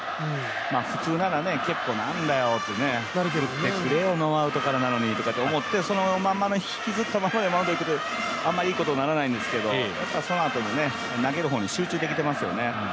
普通なら結構なんだよってなるけどね、打ってくれよノーアウトからなのにとか思って、そのまま引きずったままでマウンド行ってくれると、あんまりいいことにならないんですけどそのあとに、投げる方に集中できていますよね。